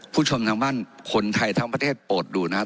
ผู้ชมทางบ้านคนไทยทั้งประเทศโปรดดูนะครับ